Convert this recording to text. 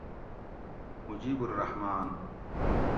مجیب الرحمان